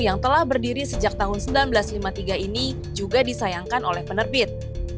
yang telah berdiri sejak tahun seribu sembilan ratus lima puluh tiga ini juga disayangkan oleh penerbit